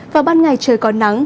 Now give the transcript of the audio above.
và ban ngày trời còn nắng